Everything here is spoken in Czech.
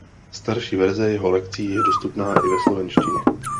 Starší verze jeho lekcí je dostupná i ve slovenštině.